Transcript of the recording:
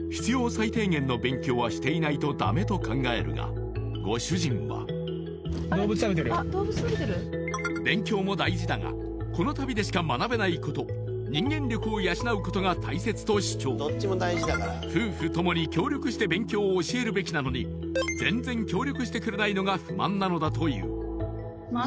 最低限の勉強はしていないとダメと考えるがご主人は勉強も大事だがこの旅でしか学べないこと人間力を養うことが大切と主張夫婦ともに協力して勉強を教えるべきなのに全然協力してくれないのが不満なのだというまあ